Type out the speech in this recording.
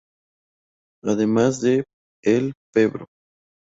Además el Pbro.